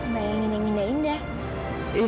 bayangin yang indah indah